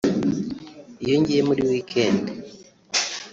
iyo ngiye muri weekend